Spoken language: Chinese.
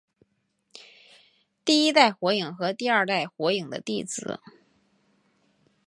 第一代火影和第二代火影的弟子。